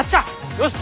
よし！